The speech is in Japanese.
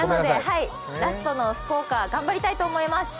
ラストの福岡頑張りたいと思います。